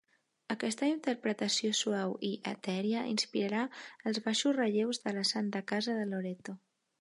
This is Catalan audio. Aquesta interpretació suau i etèria inspirarà els baixos relleus de la Santa Casa de Loreto.